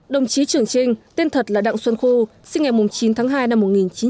đồng chí trường trinh tiên thật là đặng xuân khu sinh ngày chín tháng hai năm một nghìn chín trăm linh bảy